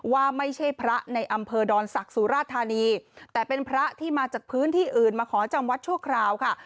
ว่าไม่ใช่พระในอำเภอดอนศักดิ์สุราธานีแต่เป็นพระที่มาจากพื้นที่อื่นมาขอจำวัดชั่วคราวค่ะ